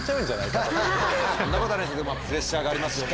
そんなことはないですけどプレッシャーがありますよね。